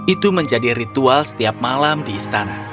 itu menjadi ritual setiap malam di istana